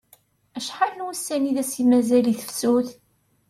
Acḥal n wussan i as-d-mazal i tefsut?